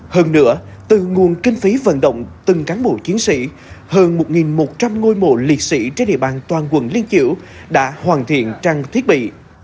hơn nữa từ nguồn kinh phí vận động từng cán bộ chiến sĩ hơn một một trăm linh ngôi mộ liệt sĩ trên địa bàn toàn quận liên kiểu đã hoàn thiện trang thiết bị